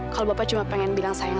kalau bapak cuma pengen bilang sayang